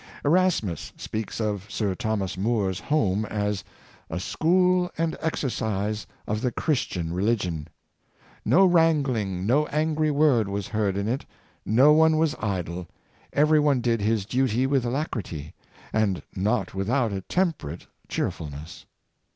Erasmus speaks of Sir Thomas Moore's home as " a school and exercise of the Christian religion." " No wrangling, no angry word was heard in it; no one was idle; every one did his duty with alacrity, and not with out a temperate cheerfulness."